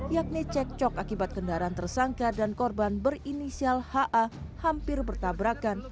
yakni cek cok akibat kendaraan tersangka dan korban berinisial ha hampir bertabrakan